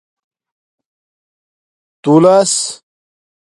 تُولس